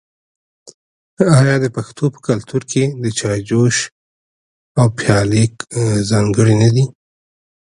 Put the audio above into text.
آیا د پښتنو په کلتور کې د چای جوش او پیالې ځانګړي نه دي؟